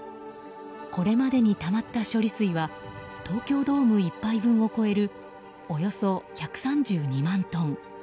これまでにたまった処理水は東京ドーム１杯分を超えるおよそ１３２万トン。